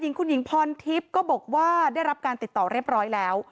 หญิงคุณหญิงพรทิพย์ก็บอกว่าได้รับการติดต่อเรียบร้อยแล้ว